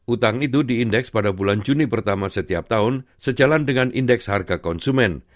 utang itu di indeks pada bulan juni pertama setiap tahun sejalan dengan indeks harga konsumen